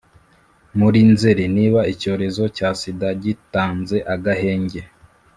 muri Nzeri niba icyorezo cya sida gitanze agahenge,